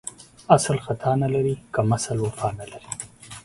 اسل ختا نه لري ، کمسل وفا نه لري.